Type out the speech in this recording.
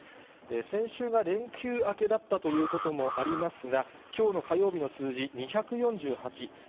先週が連休明けだったということもありますが、きょうの火曜日の数字、２４８。